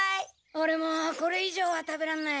オレもこれいじょうは食べらんない。